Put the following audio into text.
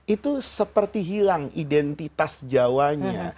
itu seperti hilang identitas jawanya